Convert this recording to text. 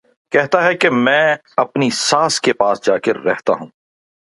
کہتا ہے کہ میں اپنی ساس کے پاس جا کے رہتا ہوں